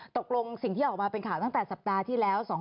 ตกลงสิ่งที่ออกมาเป็นข่าวตั้งแต่สัปดาห์ที่แล้ว